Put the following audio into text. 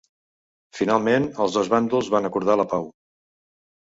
Finalment els dos bàndols van acordar la pau.